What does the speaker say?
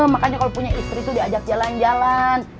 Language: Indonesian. makanya kalau punya istri itu diajak jalan jalan